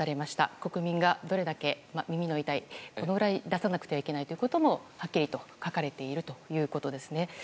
国民がどれだけ耳の痛いこのぐらい出さないといけないということもはっきりと書かれているということですね。